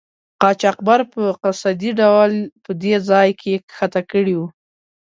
قاچاقبر په قصدي ډول په دې ځای کې ښکته کړي وو.